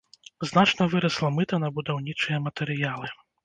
Значна вырасла мыта на будаўнічыя матэрыялы.